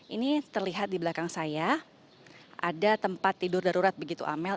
ini terlihat di belakang saya ada tempat tidur darurat begitu amel